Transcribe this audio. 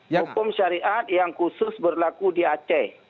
hukum syariat yang khusus berlaku di aceh